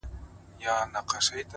o دا ستا خبري مي د ژوند سرمايه؛